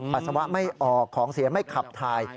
ปัสสาวะไม่ออกของเสียไม่ขับถ่าย